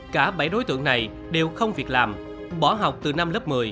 cả bảy đối tượng này đều không việc làm bỏ học từ năm lớp một mươi